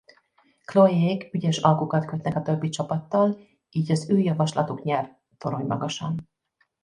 Chloe-ék ügyes alkukat kötnek a többi csapattal így az ő javaslatuk nyer torony magasan.